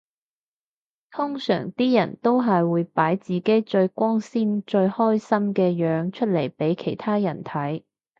通常啲人都係會擺自己最光鮮最開心嘅樣出嚟俾其他人睇